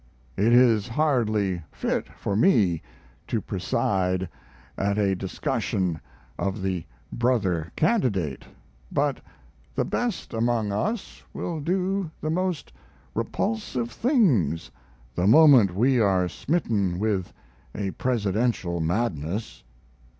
It is hardly fit for me to preside at a discussion of the brother candidate, but the best among us will do the most repulsive things the moment we are smitten with a Presidential madness.